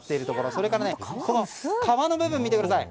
それから皮の部分を見てください。